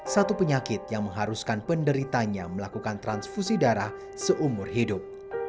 satu penyakit yang mengharuskan penderitanya melakukan transfusi darah seumur hidup